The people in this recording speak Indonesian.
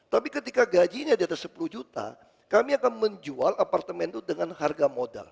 tapi ketika gajinya di atas sepuluh juta kami akan menjual apartemen itu dengan harga modal